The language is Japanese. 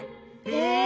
へえ！